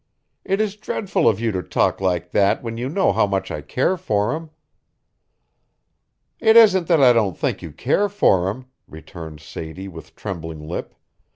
"It is dreadful of you to talk like that when you know how much I care for him." "It isn't that I don't think you care for him," returned Sadie with trembling lip.